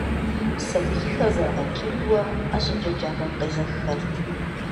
Сэбийхэр зэрыгъэкӏийуэ ӏэжьэкӏэ джабэм къежэххэрт.